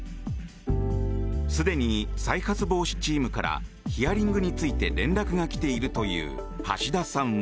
すでに、再発防止チームからヒアリングについて連絡が来ているという橋田さんは。